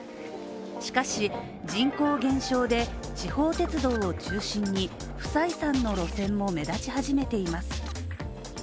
しかし人口減少で地方鉄道を中心に不採算の路線も目立ち始めています。